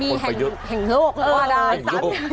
มีแห่งโลก